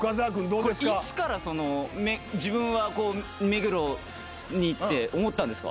これいつから自分は目黒にって思ったんですか？